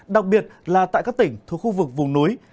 đặc biệt là tại các tỉnh thuộc khu vực vùng núi